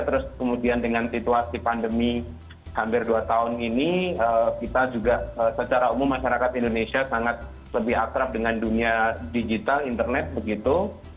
terus kemudian dengan situasi pandemi hampir dua tahun ini kita juga secara umum masyarakat indonesia sangat lebih akrab dengan dunia digital internet begitu